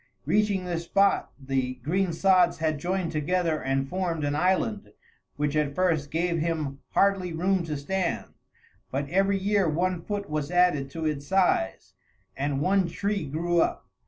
Reaching this spot, the green sods had joined together and formed an island which at first gave him hardly room to stand; but every year one foot was added to its size, and one tree grew up.